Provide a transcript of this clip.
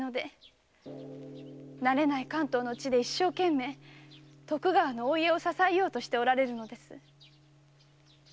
慣れない関東の地で一生懸命徳川のお家を支えようとしておられるのです。